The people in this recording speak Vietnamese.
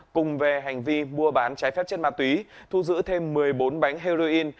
cùng về hành vi mua bán trái phép chất ma túy thu giữ thêm một mươi bốn bánh heroin